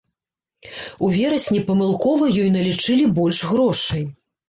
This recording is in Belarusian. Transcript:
У верасні памылкова ёй налічылі больш грошай.